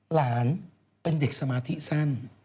หลานเป็นเด็กสมาธิสั้น